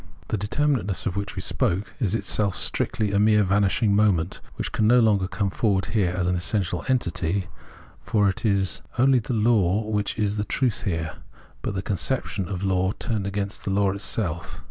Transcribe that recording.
The Understanding 145 determinateness, of which we spoke, is itself strictly a mere vanishing moment, which can no longer come forward here as an essential entity {Wesenheit), for it is only the law which is the truth here : but the conception of law is turned against the law itself.